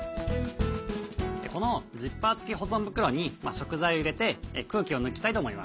このジッパー付き保存袋に食材を入れて空気を抜きたいと思います。